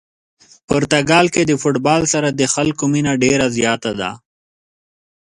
پرتګال کې د فوتبال سره د خلکو مینه ډېره زیاته ده.